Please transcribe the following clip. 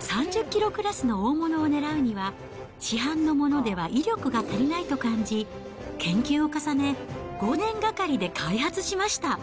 ３０キロクラスの大物を狙うには、市販のものでは威力が足りないと感じ、研究を重ね、５年がかりで開発しました。